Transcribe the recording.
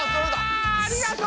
ありがとう！